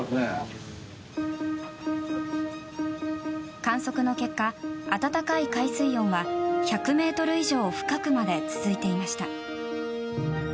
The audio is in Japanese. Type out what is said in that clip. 観測の結果温かい海水温は１００ｍ以上深くまで続いていました。